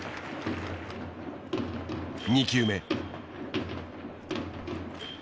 ２球目。